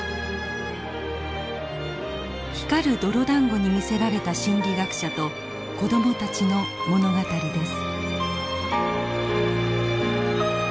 光る泥だんごに魅せられた心理学者と子供たちの物語です。